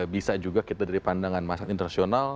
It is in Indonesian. bisa juga kita dari pandangan masyarakat internasional